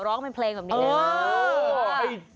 ร้องเป็นเพลงแบบนี้เลย